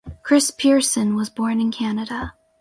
Chris Pierson was born in Canada.